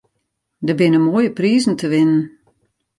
Der binne moaie prizen te winnen.